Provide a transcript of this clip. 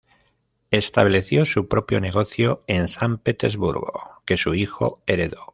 Estableció su propio negocio en San Petersburgo, que su hijo heredó.